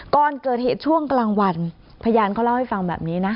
ก่อนเกิดเหตุช่วงกลางวันพยานเขาเล่าให้ฟังแบบนี้นะ